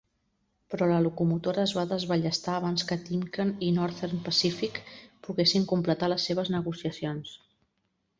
Però la locomotora es va desballestar abans que Timken i Northern Pacific poguessin completar les seves negociacions.